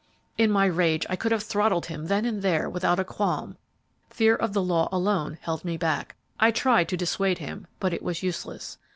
In my rage I could have throttled him then and there without a qualm; fear of the law alone held me back. I tried to dissuade him, but it was useless.